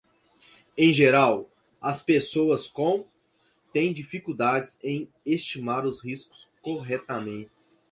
Em geral, as pessoas com? têm dificuldades em estimar os riscos corretamente.